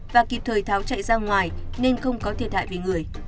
và kịp thời tháo chạy ra ngoài nên không có thiệt hại về người